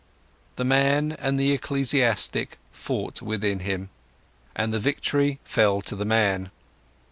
The man and the ecclesiastic fought within him, and the victory fell to the man.